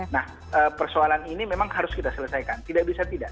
nah persoalan ini memang harus kita selesaikan tidak bisa tidak